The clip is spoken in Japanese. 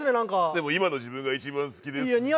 でも、今の自分が一番好きです。